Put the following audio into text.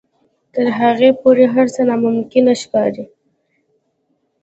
تر هغې پورې هر څه ناممکن ښکاري.